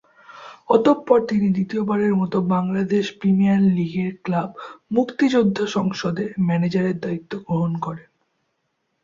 অতঃপর তিনি দ্বিতীয়বারের মতো বাংলাদেশ প্রিমিয়ার লীগের ক্লাব মুক্তিযোদ্ধা সংসদের ম্যানেজারের দায়িত্ব গ্রহণ করেন।